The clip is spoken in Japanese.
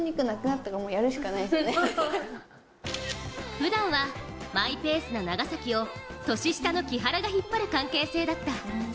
ふだんはマイペースな長崎を年下の木原が引っ張る関係性だった。